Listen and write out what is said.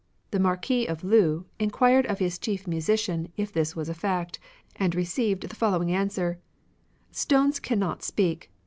The Marquis of Lu enquired of his chief musician if this was a fact, and received the following answer :" Stones cannot speak.